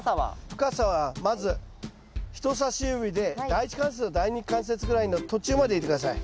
深さはまず人さし指で第１関節と第２関節ぐらいの途中まで入れて下さい。